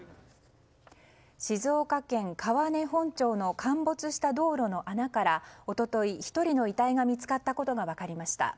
静岡県川根本町の陥没した道路の穴から一昨日、１人の遺体が見つかったことが分かりました。